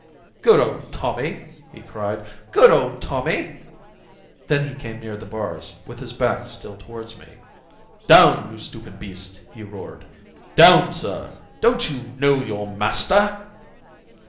"Good old Tommy!" he cried. "Good old Tommy!" Then he came near the bars, with his back still towards me. "Down, you stupid beast!" he roared. "Down, sir! Don't you know your master?"